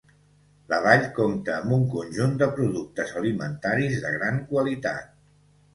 La vall compta amb un conjunt de productes alimentaris de gran qualitat.